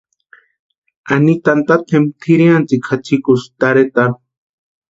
Anitani tatempa tʼirhiantsikwa jatsikukusti tarhetarhu.